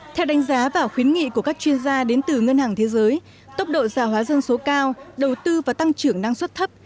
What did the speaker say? theo đánh giá và khuyến nghị của các chuyên gia đến từ ngân hàng thế giới tốc độ giả hóa dân số cao đầu tư và tăng trưởng năng suất thấp